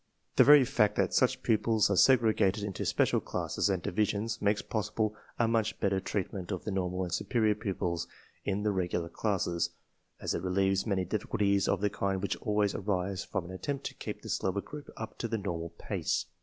The very fact that such pupils are segregated into special classes and divisions makes possible a much better treatment of the normal and superior pupils in the regular classes, as it relieves many difficulties of the kind which always arise from an attempt to keep the slower group up to the normal pace.